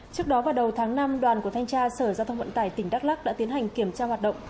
trước đó vào đầu tháng năm đoàn của thanh tra sở giao thông vận tải tỉnh đắk lắc đã tiến hành kiểm tra hoạt động